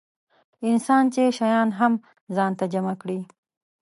انسان چې شیان هم ځان ته جمع کړي.